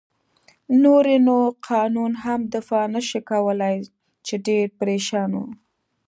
نور يې نو قانون هم دفاع نه شي کولای، چې ډېر پرېشان و.